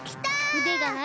うでがなる！